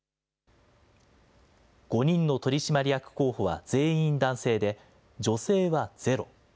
５人の取締役候補は全員男性で、女性はゼロ。